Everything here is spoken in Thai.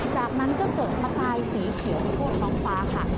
จากนั้นก็เกิดประกายสีเขียวในทั่วท้องฟ้าค่ะ